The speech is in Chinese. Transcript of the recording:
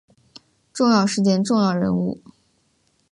重要事件重要人物